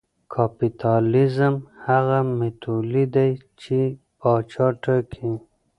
کاپیتالېزم هغه متولي دی چې پاچا ټاکي.